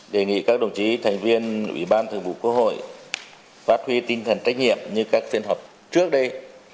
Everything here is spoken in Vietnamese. đề nghị các đồng chí thành viên ủy ban thường vụ quốc hội phát huy tinh thần trách nhiệm như các phiên họp trước đây